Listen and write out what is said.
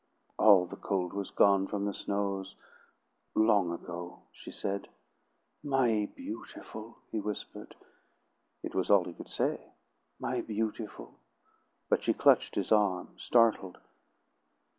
"All the cold was gone from the snows long ago," she said. "My beautiful!" he whispered; it was all he could say. "My beautiful!" But she clutched his arm, startled.